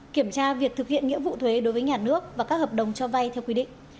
kiểm tra việc thực hiện nghĩa vụ thuế đối với nhà nước và các hợp đồng cho vay theo quy định